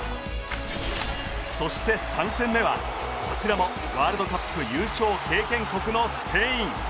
そして３戦目はこちらもワールドカップ優勝経験国のスペイン。